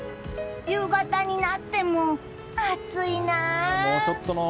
夕方になっても暑いなあ。